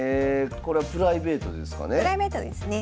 これはプライベートですかね？